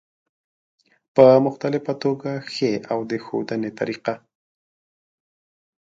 په مختلفه توګه ښي او د ښودنې طریقه